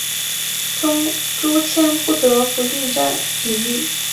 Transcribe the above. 朱谦不得不力战抵御。